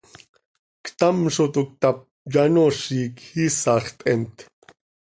Ctam zo toc cötap, yanoozic, iisax theemt.